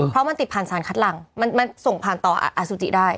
เพราะมันติดผ่านสารคัดหลังมันส่งผ่านต่ออสุจิได้